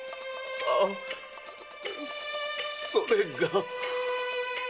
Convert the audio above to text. あそれが。